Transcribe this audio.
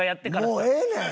もうええねん！